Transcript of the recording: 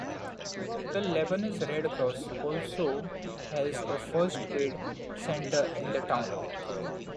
The Lebanese Red Cross also has a first-aid center in the town.